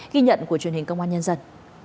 ghi nhận của truyền hình công an nhân dân